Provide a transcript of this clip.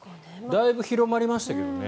だいぶ広まりましたけどね。